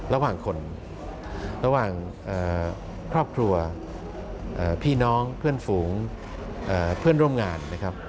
ระหว่างคนระหว่างครอบครัวพี่น้องเพื่อนฝูงเพื่อนร่วมงานนะครับ